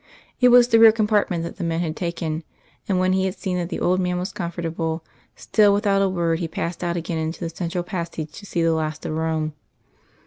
It was the rear compartment that the men had taken; and when he had seen that the old man was comfortable, still without a word he passed out again into the central passage to see the last of Rome.